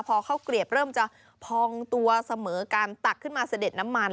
พอข้าวเกลียบเริ่มจะพองตัวเสมอการตักขึ้นมาเสด็จน้ำมัน